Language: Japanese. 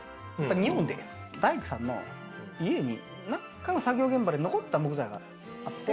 日本で大工さんの家になんかの作業現場で残った木材。